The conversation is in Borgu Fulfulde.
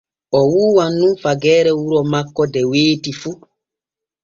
O wuuwan nun fageere wuro makko de weeti fu.